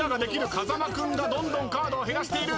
風間君がカードを減らしている！